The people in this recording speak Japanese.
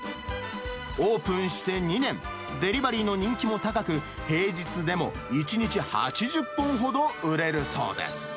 オープンして２年、デリバリーの人気も高く、平日でも１日８０本ほど売れるそうです。